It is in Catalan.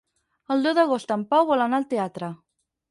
El deu d'agost en Pau vol anar al teatre.